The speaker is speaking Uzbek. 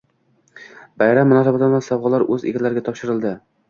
Bayram munosabati bilan sovg‘alar o‘z egalariga topshirildi